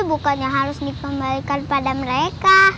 itu bukannya harus dipembalikan pada mereka